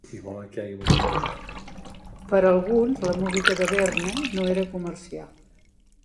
Per alguns, la música de Berne no era comercial.